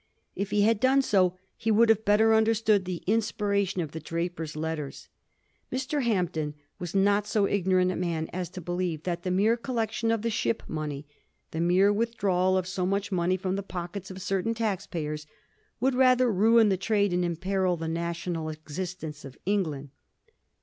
If he had done so, he would have better understood the inspira tion of the ' Drapier's Letters.' Mr. Hampden was not so ignorant a man as to believe that the mere collection of the ship money — the mere withdrawal of so much money from the pockets of certain tax payers — would really ruin the trade and imperil the national existence of England.